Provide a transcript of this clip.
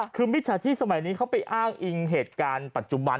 คือมิจฉาชีพสมัยนี้เขาไปอ้างอิงเหตุการณ์ปัจจุบัน